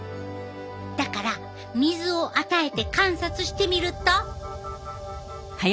だから水を与えて観察してみると。